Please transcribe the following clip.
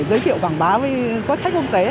giới thiệu quảng bá với khách công tế